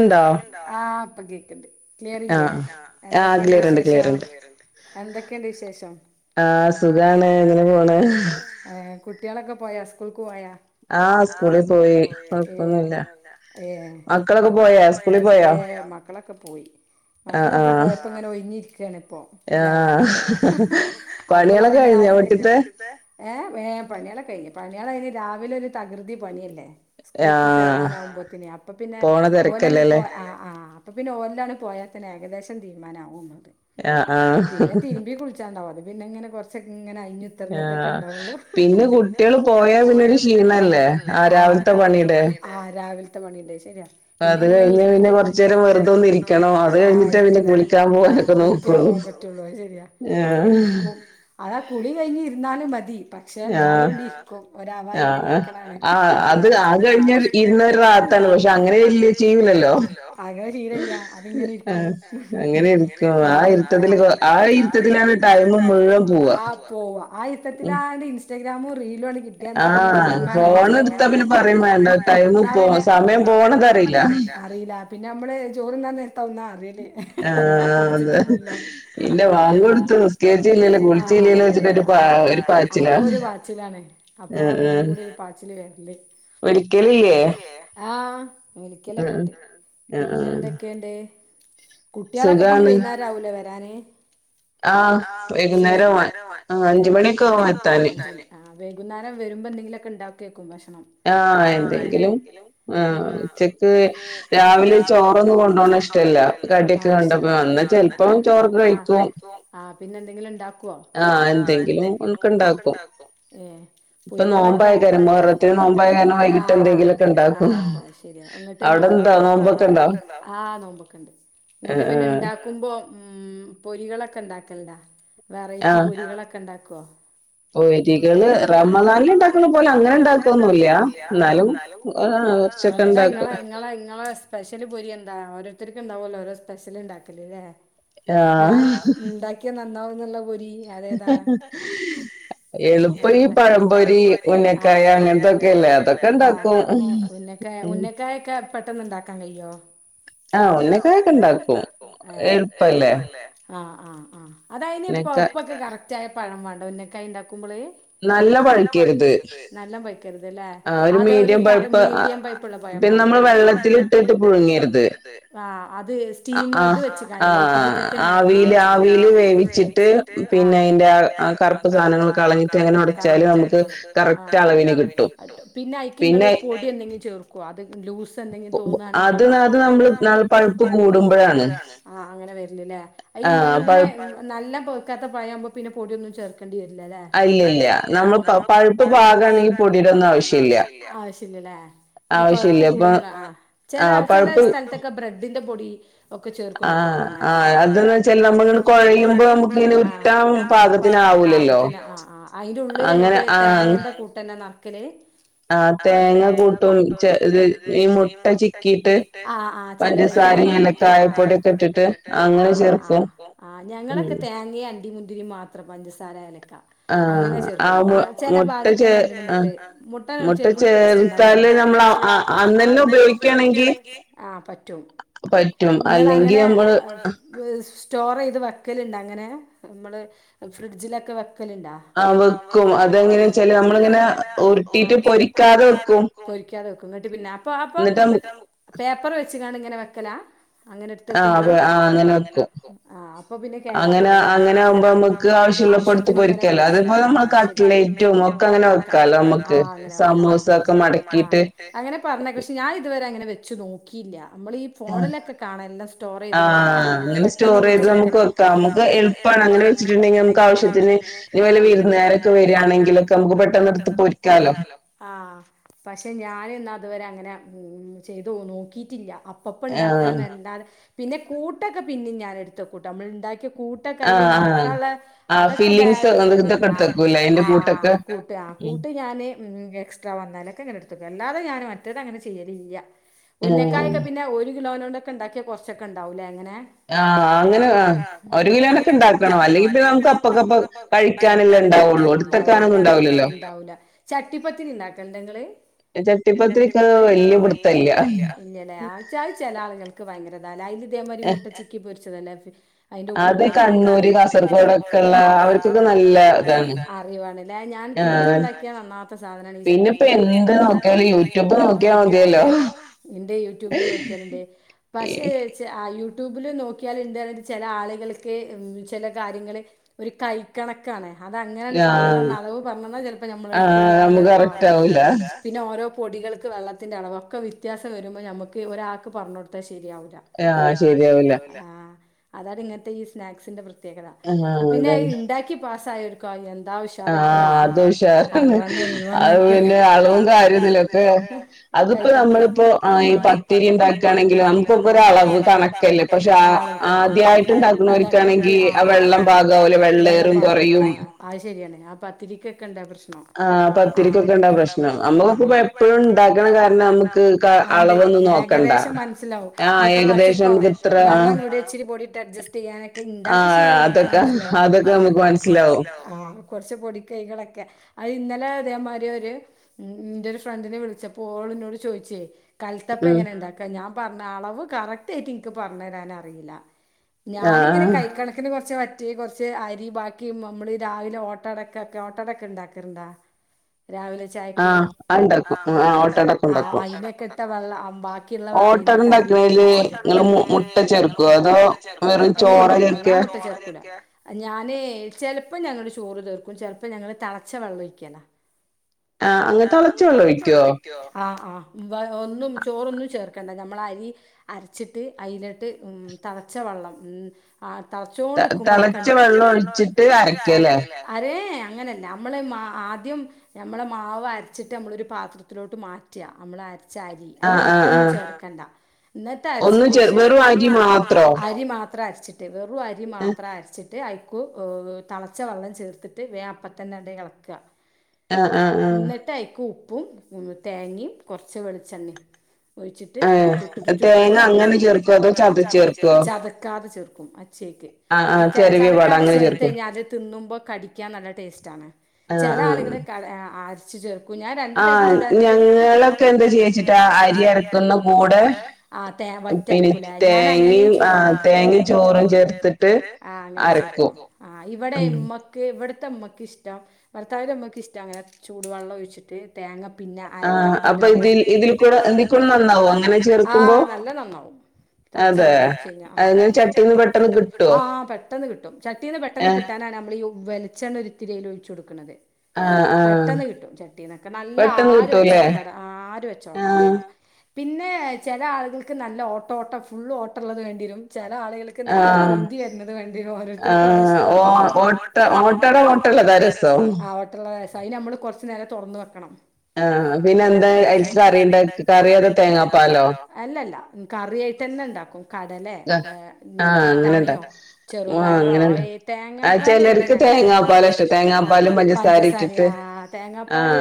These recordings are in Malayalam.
കേക്കാന്ന്ണ്ടൊ ആഹ് ഇപ്പൊ കേക്ക്ണ്ട് ക്ലിയർല്ലേ എന്തൊക്കെയിണ്ട് വിശേഷം എന്തൊക്കെയിണ്ട് വിശേഷം. ആഹ് സുഖാണ് അങ്ങനെ പോണ്. ഏ് കുട്ടികളൊക്കെ പോയാ സ്കൂൾക്ക് പോയോ?. ആഹ് സ്ക്കൂളി പോയി ഏ ഏ. അത്രൊക്കെ പോയ പോയാ മക്കളൊക്കെ പോയി. മക്കളൊക്കെ പോയപ്പോ ഇങ്ങനെ ഒഴിഞ്ഞിരിക്കണിപ്പം ല്ലേ അപ്പളാ ഇങ്ങനെ ആരക്കിലും വിളിച്ചിട്ട് ഏ വേ പണികളൊക്കെ കഴിഞ്ഞ് പണിയേൾ അയന് രാവിലെ ഒരു തകൃതി പണിയല്ലേ ആഹ് പോണ തരക്കല്ലേ ല്ലേ ആഹ് ആഹ് അപ്പൊ പിന്നെ ഓലഅങ്ങ് പോയാ തന്നെ ഏകദേശം തീരുമാനംമാവും നമ്മൾത് ആഹ് ആഹ് ച്ചാണ്ടാവു പിന്നെ ഇങ്ങനെ കൊറച്ച് കൊറച്ചൊക്കെ ഇങ്ങനെ അയഞ്ഞ്കുത്തർന്ന്ട്ടൊക്കെ ഇണ്ടാവൊള്ളു ആഹ് കുട്ട്യാള് പോയ പിന്നെ ഒര് ക്ഷീണ അല്ലെ ലെ ആഹ് രാവില്ത്തെ പണിലേ ആഹ് രാവില്ത്തെ പണി കേട്ട ശരിയാ പിന്നെങ്ങനെ ഇരിക്കും അത് കൈഞ്ഞ് കോറച്ചേരാം വെറുതന്നിരിക്കണം അത് കഴിഞ്ഞ്ട്ടാ പിന്നെ കുളിക്കാ പോല് കുളിക്കാൻ പോകൻ പറ്റോള്ളൂ അത് ശെരിയാ അങ്ങനെ ഇരിക്കും അതാ ആഹ് കുളി കഴിഞ്ഞ് ഇരുന്നാലും മതി പക്ഷെ ഇന്നാലും ഇരി ഒരു അവായി ഇങ്ങനെ ഇരിക്കണാണ് ആഹ് ആഹ് അത് കഴിഞ്ഞാ ഇര്ന്ന ഒര് റാഹത്താൻ അങ്ങനെ ചെ ചെയ്യൂലല്ലൊ അങ്ങനെ ശീലല്ല അവ്ടെങ്ങനെ ഇരിക്കും ചായ കുട്ചോ ആ ഇരിതത്തല് ആ ഇര്ത്തതിലാണ് ടൈം മുഴുവൻ പോവാ പോവ ആ ഇര്ത്തത്തിലാണ് ഇൻസ്റ്റഗ്രാംമും റീലും കി ട്ടിയാ എന്നാ പിന്നെ തീരുമാനാകും ചോറ് തിന്നാ ന്ന പിന്നെ ആഹ് ഫോണ് ട്ത്ത പിന്നെസമയം പോണത് അറിയില്ല അറിയില്ല പിന്നെ നമ്മള് ചോറ് തിന്ന നേരത്ത് ആവുംന്ന അല്ലാഹ് കുളിച്ചിട്ടില്ലലോ പിന്നെ ബാങ്ക് കൊടുത്തു നിസ്കരില്ലച്ചിലല്ലൊ കുളിചില്ലല്ലൊ ആഹ് പച്ചിൽ അപ്പൊ ഒരു പാച്ചിലാണ്ആഹ് ആഹ് അപ്പളാണ് എല്ലും കൂടി ഒരു പാച്ചില് വരല് വിളിക്കലില്ലേ ആഹ് വിളിക്കലൊക്കെണ്ട് ആഹ് ആഹ് പിന്നെ എന്തൊക്കെയണ്ട് കുട്ട്യാളോളൊക്കെ ഇപ്പഞ്ഞ് വൈന്നേരം ആവൂലേ വരാന് ആഹ് വൈകുന്നേരംആഹ് അഞ്ച് മണിയക്കെ ആകും എത്താന് ആഹ് വൈകുന്നേരം വരുമ്പോ എന്തെങ്കിലൊക്കെ ഉണ്ടാക്കിയേക്കും ഭക്ഷണം ആഹ് എന്തെങ്കിലും ആഹ് ഉച്ചക്ക് രാവിലെ ചോറൊന്നും കൊണ്ടണ് ഇഷ്ടല്ല കടിയൊക്കെ കണ്ടപ്പോ എന്നാൽ ചിലപ്പോം ചോറെ ഒക്കെ കഴിക്കും റഴിക്കും ആഹ് പിന്നെ എന്തെങ്കിലുണ്ടാ ക്കോ ആഹ് എന്തെങ്കിലും ഒക്കെ ഉണ്ടാകും ഏഹ് പൊരികളൊക്കെ മുഹറത്തിന് നോമ്പായകാരണം വൈകിയിട്ട് എന്തെങ്കിലൊക്കെണ്ടാക്കും ഏ എന്നിട്ട് നോമ്പ് അവ്ടെ ണ്ടാ നോമ്പോക്കെണ്ടാ ആഹ് നോമ്പൊക്കെണ്ട് ന്ന്ട്ട് പിന്നെ ണ്ടാ ക്കുമ്പോ മ്മ് പൊരികളൊക്കെണ്ടാക്കല്ണ്ടാ വെറൈറ്റി പൊരികളൊക്കെണ്ടാക്കോ പൊരികള് റമളാന്ൽ ഇണ്ടാക്കണപോലെ അങ്ങനെ ഇണ്ടാക്കൊന്നുല്ല്യ, ആഹ് ന്നാലും ഏഹ് എന്താ ഇങ്ങളെ ഇങ്ങളെ ഇങ്ങളെ സ്പെഷ്യല് പൊരി എന്താ ഓരോത്തര്ക്ക്ണ്ടാവൊല്ലോ ഓരോ സ്പെഷ്യല് ഇണ്ടാക്കല് ലേ ആഹ് ക്യാ നന്നാവുംന്ന്ള്ള പൊരി [unintelligible] എളുപ്പം ഈ പഴംപൊരി, ഉന്നക്കായ അങ്ങനത്തൊക്കെല്ലേ അതൊക്കെ ഇണ്ടാക്കും ഉന്നക്കായൊക്കെ പെട്ടെന്ന്ണ്ടാക്കാൻ കയ്യോ ആഹ് ഉന്നക്കായൊക്കെണ്ടാക്കും ഏഹ് അയ് എളുപ്പല്ലേ ആഹ് ആഹ് ആഹ് അത് അയിനി പ്പഴുപ്പൊക്കെ കററ്റ് ആയ പഴം വാണ്ടെ ഉന്നക്കായണ്ടാക്കുമ്പള് നല്ലം പഴക്കരുത് നല്ലം പയ്ക്കരുത് ല്ലെ അത് ഒര് കറ് മീഡിയം പയ് പ്പ്ള്ള പയം മാണം ല്ലെ പിന്നെ നമ്മൾ വെള്ളത്തിൽ ഇട്ടിട്ട് പുഴ്ങ്ങരുത് ആഹ് അത് സ്റ്റീമെർല് ആഹ് ആഹ് വെച്ച് കാണ്ട് ല്ലെ ആഹ് ഇട്ടിലിതട്ട് മാര്ത്തില് ആവീല് ആവീല് വേവിച്ചിട്ട് ആഹ് പിന്നെ അയ്ന്റെ കറുപ്പ് സാനങ്ങളൊക്കെ കളഞ്ഞിട്ട്, കളഞ്ഞിട്ട് അങ്ങനെ വെച്ചാൽ നമുക്ക് ആഹ് കരറക്റ്റ് അളവിന് കിട്ടും, കിട്ടും. പിന്നെ അയ്ക്ക് പിന്നെ, ഇങ്ങൾ പൊടി എന്തെങ്കിലും ചേർ ക്കോ അത് ലൂസ് സെന്തെങ്കിലും തോന്നാണെങ്കില് അത് അത് നമ്മള് പഴുപ്പ് കൂടുമ്പോഴാണ് ആഹ് അങ്ങനെ വെര്ല് ല്ലെ ഈ മെയ്ങ്നേ നല്ല പൗക്കാത്ത പഴാവുമ്പോ പിന്നെ പൊടിയൊന്നും ചേർക്കേണ്ടി വെര്ല്ലല്ലെ അല്ല ഇല്ല നമ്മൾ പ പഴുപ്പ് പാകണെങ്കിൽ പൊടിടെ ഒന്നും ആവശ്യല്ല. ആവശ്യഇല്ലല്ലേ ഈ പഴുപ്പ് കൂടുമ്പള് ചെല ചെലേ ആഹ് പഴുപ്പ് സ്ഥലത്തൊക്കെ ബ്രെഡിന്റെ പൊടി ഒക്കെ ചേർക്കുന്നൊക്കെ ആഹ് പറഞ്ഞേക്കാം ആഹ് അതന്ന് വെച്ചാൽ നമ്മള് അഹ് കൊഴയുമ്പോ ആഹ് നമുക്ക് ങ്ങനെ ഉരുട്ടാം മ് പാകത്തിനാവുല്ലല്ലോ പാകത്തിന് അഹ് ആഹ് അയിന്റെ ഉള്ളില് ന്നട്ട് ആഹ് അങ്ങനെ തേങ്ങന്റെ കൂട്ടന്നെ നർക്കല് ആഹ് തേങ്ങ കൂട്ടൊയ് ഉം ചെലര് ഈ മുട്ട ചിക്കിയിട്ട് ആഹ് ആഹ് ചെലര് തേങ്ങിയിം ആഹ് പഞ്ചസാരിം കായപ്പൊടിഒക്കെ ഇട്ടി ട്ട് ആഹ് ആഹ് ആഹ് അങ്ങനെ ചേർക്കും ആഹ് ഞങ്ങളൊക്കെ തേങ്ങിയിം അണ്ടി മുന്തിരിം മാത്രം പഞ്ചസാര ഏലക്ക ആഹ് ആഹ് മു മുട്ട ചേ ആഹ് മുട്ട ചേർത്താല് ന ല് നമ്മള് അ അന്നെന്നെ ഉപയോഗിക്കയാണെങ്കി ആഹ് പറ്റും പറ്റും അല്ലെങ്കിയമ്മള് സ്റ്റോറെയ്ത് വെക്കല്ണ്ടാ അങ്ങനെ നമ്മള് ഫ്രിഡ്ജിലൊക്കെ വെക്കല്ണ്ട ആഹ് വെക്കും അതെങ്ങനെച്ചാല് നമ്മളിങ്ങനെ ഉരുട്ടീട്ട് പൊരിക്കാതെ വെക്കും ക്കും പൊരിക്കാതെ വെക്കും ന്നട്ട് പിന്നെ അപ്പൊ അപ്പൊ ന്നട്ട് അഹ് പേപ്പറ് വെച്ച്കാണ്ട് ഇങ്ങനെ വെക്കലാ അങ്ങനെ ഇട്ത്തെക്കുമ്പള് ആഹ് ആഹ് അങ്ങനെ വെക്കും ആഹ് അപ്പൊ പിന്നെ കേടാവൂല ല്ലെ അങ്ങനെ അങ്ങാനാവുംമ്പ ക്ക് ആവശ്യള്ളപ്പൊ ഇട്ത്ത് പൊരിക്കാലോ അത് അമ്മക്കട്ലേറ്റും ഒക്കെ അങ്ങൻനെ വെക്കാലോമ്മക്ക് സ സൊക്കെ മട ആഹ് മടക്കിട്ട് അങ്ങനെ പറഞ്ഞേക്ക പക്ഷെ ഞാൻ ഇതുവരെ അങ്ങനെ വെച്ചു നോക്കിയില്ല നമ്മളീ ഫോണിലൊക്കെ കാണ എല്ലാം സ്റ്റോറെയ്ത് ഇങ്ങനെ ആഹ് പെട്ടെന്ന് പൊരിച്ചെട്ക്ക്ണ്. ജസ്റ്റ്‌ [unintelligible] വെക്കാം മുക്ക് ഇപ്പ അഹ് അങ്ങനെവെച്ചിട്ടുണ്ടെങ്കിൽ നമുക്ക് ആവശ്യത്തിന് ഇനി വല്ല വിരുന്നേരൊക്കെ വെരാണെങ്കിലൊക്കെ നമുക്ക് പെട്ടെന്ന് ഇട്ത്ത് പൊരി ക്കാ ലോ ആഹ് പക്ഷെ ഞാന് ന്നാ അതുവരെ അങ്ങനെ മ് ചെയ്ത് നോക്കീറ്റില്ല അപ്പപ്പം ഇണ്ടാക്കാന്നല്ലാതെ പിന്നെ കൂട്ടൊക്കെ പിന്നിം ഞാന് ഇട്ത്തെക്കുട്ടോ നമ്മള് ഇണ്ടാക്യേ കൂട്ടൊക്കെ ആഹ് ആഹ് അയ്ല് നറക്കാല്ലെ അതൊക്കെ ബാലൻസ് ആഹ് ബീൻസ് അങ്ങനതൊക്കെ ഇട്ത്തെക്കും ല്ലെ കൂട്ടൊക്കെ ആഹ് കൂട്ട് ആഹ് കൂട്ട് ഞാന് [unintelligible] എക്സ്ട്രാ വന്നാലൊക്കെ ഇങ്ങനെ ഇട്ത്തെക്കും അല്ലാതെ ഞാന് മറ്റേത് അങ്ങനെ ചെയ്യലില്ല്യ ഉന്നക്കായൊക്കെ പിന്നെ ഒരു കിലോനോണ്ടൊക്കെണ്ടാക്ക്യ കൊർച്ചൊക്കെണ്ടാവുലെ അങ്ങനെ ആഹ് അങ്ങനെ ആഹ് ഒരു കിലോനൊക്കെണ്ടാക്കണം. അല്ലെങ്കിപിന്നെ നമുക്ക് അപ്പക്കപ്പം കഴിക്കാന്ള്ളെഹ് ഇണ്ടാവൊള്ളൂ, ഇണ്ടാവൊള്ളൂ ഇട്ത്തെക്കാനൊന്നും ഇണ്ടാവുല്ലല്ലോ ഇണ്ടാവൂല. ചട്ടി പത്തിരി ണ്ടാക്കല്ണ്ടോ ങ്ങള് ചട്ടിപ്പത്തിക്ക് വല്യയ പുടുത്തല്ല. പിന്നല്ലേ ആഴ്ച ആഴ്ചാല ആളുകൾക്ക് ഭയങ്കര തല്ല, അതിന് ഇതേമാതിരി മുട്ടച്ചുക്കി പൊരിച്ചതല്ലേ? അത് കണ്ണൂര്, കാസർഗോഡൊക്കെള്ള, അവർക്കൊക്കെ നല്ല ഇതാണ്. അറിയവാണല്ലേ ഞാൻ- തീരെണ്ടാക്കിയാ നന്നാത്ത- സാധനമാണ് ഈ ചട്ടിപ്പ- യൂട്യൂബല്ല എന്റെ യൂട്യൂബില്- നോക്കിയാല എന്റെ - പക്ഷേ- യൂട്യൂബിൽ നോക്കിയാൽ എന്ത, ചില ആളുകൾക്ക് ചില കാര്യങ്ങൾ ഒരു കൈ- കണക്കാണ് അത അങ്ങനെ ഒരു പറഞ്ഞ അവ് പറഞ്ഞന്നാ ചിലപ്പോ നമ്മൾ എടുത്ത് മാ- പിന്നെ ഓരോ പൊടൾക്ക് വെള്ളത്തിന്റെ അളവ് ഒക്കെ വ്യത്യാസം വരുമ്പോൾ നമുക്ക്- ഒരാൾക്ക് പറഞ്ഞു കൊടുത്താൽ ശരിയാവൂലാ. ആഹ് ശരിയാവില്ല. അതാണ് ഇങ്ങനത്തെ ഈ- സ്നാക്സിന്റെ പ്രത്യേകത. പിന്നെ ഉണ്ടാക്കി പാസ്സായ ഒരു- ക്കാ എന്താ ഉഷാര ഇട്ടണ്ട പവണ ഇ- അളവും കാര്യൊന്നില്ല ഒക്കെ- അതിപ്പോ നമ്മളിപ്പോ, ഈ പത്തിരി ഉണ്ടാക്കുകയാണെങ്കിൽ നമുക്കൊ- ഒരളവ് കണക്കല്ല. പക്ഷെ ആദ്യായിട്ട്ണ്ടാക്കണോ- ഒരിക്കയാണെങ്കിൽ ആ വെള്ളം- പാകകൂലെ വെള്ളയറും, കുറയും. അത് ശരിയ, ഞാൻ ആഹാ പ- ത്തിരിക്കൊക്കണ്ടാ പ്രശ്നം. ആഹ് പത്തിരിക്കൊക്കെ ഉണ്ടാ പ്രശനം. പ്രശ്നം നമ്മളിപ്പോ എപ്പോഴും- ഉണ്ടാക്കാനകരണംനമ്മക്- അളവൊന്നും നോക്കണ്ടകരം, ഏകദേശം മനസ്സിലാവും. ഇനിയിപ്പോ കൊറച്ചൊക്കെ വെള്ളം കൂടി ഇച്ചിരി പൊടിട്ട് അഡ്ജസ്റ്റ് ചെയ്യാനൊക്കെ ഇണ്ടാക്കി ശീല- അ അതൊക്കെ നമുക്ക് മനസ്സിലാവും. ആഹ കൊറച്ച്- പൊടിക്കൈകളൊക്കെ, അത് ഇന്നലെ അതേമാതിരി ഒരു, ഉം നിന്റെ ഒരു ഫ്രണ്ടിനെ വിളിച്ചപ്പോ- ഓൾ എന്നോട് ചോദിച്ചേ കൽത്തപ്പ എങ്ങനെ ഉണ്ടാക്ക. ക്കെ ഞാൻ പറഞ്ഞ അളവ് കറക്റ്റ് ആയിട്ട് എനിക്ക് പറഞ്ഞു തരാൻറിയില്ല. ഞാനിങ്ങനെ കൈ കണക്കിന് കുറച്ച്റ്റ- റ്റി കൊറച്ച് അരി ബാക്കി മ് നമ്മള് രാവിലെ ഓട്ടടക്കക്കെ ഓട്ടടക്ക ഇണ്ടാക്കർണ്ടാ. രാവിലെ ചായക്ക് അയിക്കെ ഇട്ട- വെള്ളം ബാക്കി. ക്കിള്ളവാ അയിനൊക്കെ- അരിടുത്ത് വെച്ചിട്ട്. ഓട്ടട ഉണ്ടാക്കണേല് നിങ്ങാള് മുട്ട- ചേർക്കുവോ? അതോ വെറും ചോറ, എല്ല്യ എല്ല്യ, എല്ല്യ, എല്ല്യ, ഞാൻ മുട്ട ചേർ- ക്കുല ചേർക്കാ ഞാന് ചെലപ്പോ- ഞങ്ങള് ചോറ് തീർക്കും, ചെലപ്പോ ഞങ്ങള് തളച്ച വെള്ളം ഒഴിക്കാല. ആഹ് അങ്ങ് തളച്ച വള്ളോ ഒഴിക്കുവോ? ആഹ് ആഹ്. വാ ഒന്നും ചോറൊന്നും ചേർക്കണ്ട നമ്മള അരി. അരച്ചിട്ട് അയിലിട്ട് ഉം തളച്ച വെള്ളം ഉം. ആഹ് തളച്ചോണ്ട്ക്കുബോഴിക്കണ്ട്, തെളച്ച വെള്ളം ഒഴിച്ചിട്ട് അരക്കാല്ലെ. അരേ അങ്ങനെയല്ല നമ്മള് മാ- ആദ്യം നമ്മളെ. മാവ് അരച്ചിട്ട് നമ്മളൊരു പാത്രത്തിലോട്ട് മാറ്റിയ നമ്മള്- അരച്ച അരി അയിലെ വറ്റൊന്നും ചേർക്കണ്ട. ഇന്നത്താ അരിച്ചിന്റെ ശേഷം, അരി മാത്രം അരച്ചിട്ട്, വെറു അരി മാത്ര അരച്ചിട്ട്. ട്ട് അയ്ക്കൂ തളച്ച വെള്ളം ചേർത്തിട്ട് വേ അപ്പത്തന്നാണ്ട് എളക്ക- ഇന്നിട്ട് അയിക്കും ഉപ്പും, തേങ്ങയും, കൊറച്ച് വെളിച്ചെണ്ണയും- ഒഴിച്ചിട്ട് ചുട്ടുടു ചുട്ട് ചതക്കാതെ- ചേർക്കും അച്ചക്ക്- ചാ ചാ ചാതക്കാതെ ചേർത്ത്- കഴിഞ്ഞ അത് തിന്നുമ്പോ- കടിക്കാൻ നല്ല ടേസ്റ്റ് ആണ്. ആഹ് ആഹ് [inaudible] ച്ച് ചേർക്കു ഞാൻ രണ്ട് ടൈപ്പ്- ചുടാണ്ട് ചോ, ഞങ്ങളൊക്കെ എന്താ ചോച്ചിട്ടാ അരിറക്കുന്ന കൂടെ. ആഹ് തേ വറ്റരക്കില്ല ഞാൻ- അങ്ങനെയും ചൂടാ തേങ്ങേ, ചോറും ചേർത്തിട്ട് ആ അങ്ങനെ ചേക്കും. ആഹ് ഇവിടെ ഇമ്മക്ക്, ഇവിടത്തെമ്മക്ക് ഇഷ്ടം, ഭർത്താവിമ്മക്ക് ഇഷ്ടംഅങ്ങനെ- ചൂടു വെള്ളം ഒഴിച്ചി- ട്ട് തേങ്ങ പിന്നെ അരാക്കാതെ- ഇടാണതാ ആഹ് അപ്പ ഇതിൽ- ഇതിക്കൂടാ, ഇന്തിക്കുടാ നന്നാവ്വോ? ഇങ്ങനെ ചെയ്താലോ ആവോ, [unintelligible] തളച്ചാവെള്ളം ഒഴിച്ചായിഞ്ഞാ ആഹ്, പെട്ടെന്ന് കിട്ടും ചട്ടീന്ന്- പെട്ടെന്ന് കിട്ടാനാണ് നമ്മഇ- വേലിച്ചാണ്ണ ഒരിത്തിരി അയില് ഒഴിച്ചു കൊടുക്കണത്. പെട്ടെന്ന് കിട്ടും, ചട്ടീന്നൊക്കെ നല്ല- ആര് വെച്ചോട്ടടാ, ആര് വെച്ചോട്ടാടാ. പിന്നെ ചെല ആളുകൾക്ക് നല്ല ഓട്ട ഓട്ട ഫുൾ ഓട്ടള്ളത് വേണ്ട്യെരും ചെല ആളികൾ ക്ക് നല്ല പൊന്തി വെര്ന്നത് വേണ്ട്യെരും ഓരോര്ത്തര്ക്ക് ഓരോ ഇഷ്ടണല്ലോ. ഓട്ട ഓട്ടട ഓട്ടള്ളതാ രസം ആഹ് ഓട്ടള്ളതാ രസം അയ്നമ്മള് കൊർച്ച്നേരം തൊറന്ന് വെക്കണം. ആഹ് പിന്നെ എന്താ അയ്ക്ക് കറിണ്ടാക്ക. കറ്യോ അതൊ തേങ്ങാപ്പാലോ? അല്ലല്ല ഉം കറ്യായിട്ടെന്നെണ്ടാക്കും. കാടലെ ഏഹ് പട്ടാണ്യോ ചെറുപയറോ അയ് തേ ആഹ് ചെലര്ക്ക് തേങ്ങാ പാലാഷ്ടം തേങ്ങാ പാലും പഞ്ചസ് പഞ്ചസാരയാ ആഹ് തേങ്ങപ്പാല്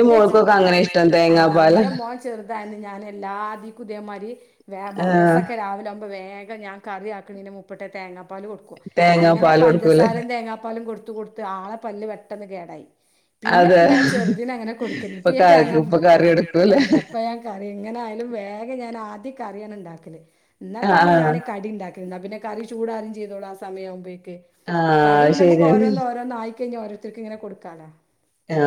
ഇന്റെ ചെ ഇൻ്റെ മോൾക്കൊക്കെ അങ്ങനെ ഇഷ്‌ടം തേങ്ങാ പാല് ആഹ് ഇന്റെ മോ ഓൻ ചെർതായന്ന് ഞാനെല്ലാതി കുതേമാരി വേ മദ്രാസൊക്കെ രാവിലാമ്പോ വേഗം ഞാൻ കറി ആത്തന്നെന് മുപ്പട്ടെ തേങ്ങാപ്പാല് കൊട്ക്കും അങ്ങനെ പഞ്ചസാരിം തേങ്ങാപ്പാലും കൊട്ത്ത് കൊട്ത്ത് ത്ത് ആളെ പല്ല് പെട്ടെന്ന് കേടായി. പിന്നെ പിന്നെ ഞാൻ ചെറ്ത് ന് അങ്ങനെ കൊടുക്കല് ഇപ്പൊ ഞാ [unintelligible] ഇപ്പൊ കറിയെടുത്തു ല്ലെ അപ്പ ഞ കറി ഇങ്ങനായാലും വേഗം ഞാനാദ്യം കറ്യാണ് ണ്ടാക്കല് ന്നട്ടാണ് ഞാന് കടിണ്ടാ ഇന്നാ പിന്നെ കറി ചൂടാറിം ചെയ്തോളും ആ സമയാവുമ്പഴേക്ക് ആഹ് കടി പിന്നെ അമ്മക്ക് ഓരോന്നോരോന്ന് ആയി കഴിഞ്ഞാ ഓരോര്ത്തര്ക്ക്ങ്ങനെ കൊടുക്കാലാ.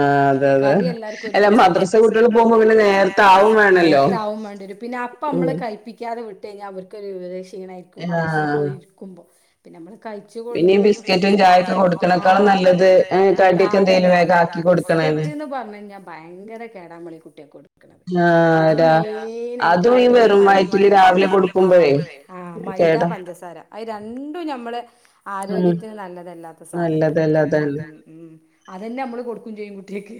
ആഹ് അതെ കറി എല്ലാർക്കൊരുമിച്ചാവുമ്പൊ അല്ല മദ്രസ കുട്ട്യെള് പോവുമ്പൊ പിന്നെ നേരെത്താവും വേണല്ലോ നേരെത്താവുംമാണ്ട്യെരും പിന്നെ ആ ഇപ്പ മ്മള് കഴിപ്പിക്കാതെ വിട്ടഴിഞ്ഞാ അവര്ക്കൊര്ക്ഷീണയിരിക്കും മദ്രസില് പോയിരിക്കുമ്പം പിന്ന മ്മള് കഴ്ച്ചുകൊണ്ട് പിന്നിം ഈ ബിസ്ക്കറ്റും ചായൊക്കെ കൊട്ക്കണെക്കാളും നല്ലത് പൊടി ആ തെന്നെ ബിസ്കറ്റ്ന്ന് പർഞ്ഞഴിഞ്ഞാ ഭയങ്കര കേടാ അമ്മളി കുട്ട്യെക്കൊട് ആഹ് രാ അതും ഈ വെറും വയിറ്റില് രാവിലെ കൊടുക്കുമ്പഴേ ആഹ് മൈദാ, പഞ്ചസാര ആയി രണ്ടും ഞമ്മള് ആരോഗ്യത്തിന് നല്ലതല്ല. സാധനാണ് നല്ലതല്ലാത്ത ഉം ഉം അതെന്നെ അമ്മള് കൊടുക്കും ചെയ്യും കുട്ട്യക്ക്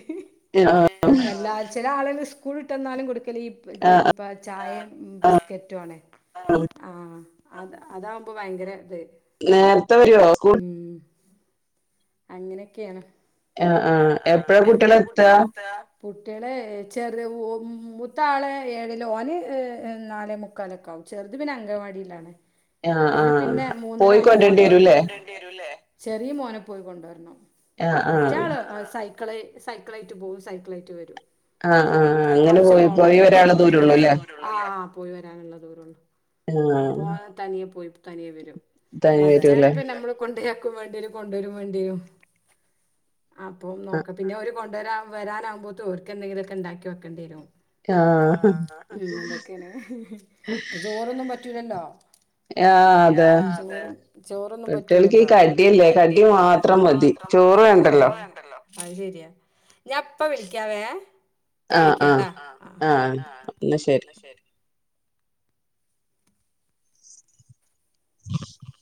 എല്ലാ ചെലാള ള്ഷ് സ്കൂള്ട്ടെന്നാലും കൊട്ക്കല് ഈ പ്പ ഇപ്പ ചായെം ബിസ്കേറ്റ്വാണ്. ആഹ് അത് അതാവുമ്പൊ ഭയങ്കര ഇത് നേര്ത്തെ വെരോ സ്ക്കൂ അങ്ങനെക്കെണ്. ആഹ് ആഹ് എപ്പഴാ കുട്ട്യെളെത്ത? കുട്ട്യള് എഹ് ചെറ് വൊം മൂത്താള് ഏഴില് ഓന് എഹ് എഹ് നാലേ മു കാലൊക്കാവും ചെറ്ത് പിന്നെ അങ്കവാടിയിലാണ്. ആഹ് ആഹ് പോയി കൊണ്ട്രണ്ട്യേരൂല്ലേ. ണ്ട്യെരൂലേ ചെറീ മോനെ പോയി കൊണ്ടോരണം മറ്റേ ആള് സൈ ക്കള് സൈക്കള്ളെയ്റ്റ് പോവും സൈക്കളേറ്റ് വെരും. ആഹ് ആഹ് കൊറച്ച് പോവന്നൊള്ളു സ്‌കൂള് പോയി വരാനുള്ള ദൂരൊള്ളൂലെ ആഹ് പോയി വരാനുള്ള ദൂരൊള്ളൂ അപ്പോ ൻ തനിയെ പോയി തനിയെ വെരും മറ്റൊനെ പിന്ന മ്മള് കൊണ്ടോയ ക്കും വേണ്ടിവരും കൊണ്ടരും വാണ്ടിവരും അപ്പം നോക്ക പിന്നെ അവര് കൊണ്ട് വരാൻ വരാനാവുമ്പോത്ത് ഓര്ക്കെന്തെങ്കിലൊക്കെണ്ടാക്കി വെക്കണ്ട്യെരും. ആഹ് ആഹ് പിന്നെന്തെക്കെണ് ചോറൊന്നും പറ്റൂലല്ലോ? ആഹ് അതെ ചോറും ചോറൊന്നും പറ്റൂലല്ലോ. ടി മാത്രം മതി ചോറ് വേണ്ടല്ലോ. വേണ്ടല്ലോ അത് ശെര്യാ ഞാ പ്പ വിളിക്കാവേ പ്പ വിളിക്കട്ടാ ആഹ് ആഹ് ആഹ് ഇന്ന ശെരി. [inaudible]